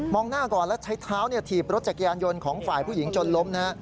หน้าก่อนแล้วใช้เท้าถีบรถจักรยานยนต์ของฝ่ายผู้หญิงจนล้มนะฮะ